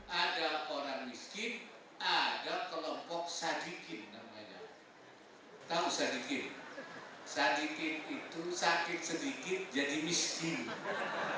beginilah gaya politik ma'ruf amin penuh canda dan buyonan khas ulama nahdlatul ulama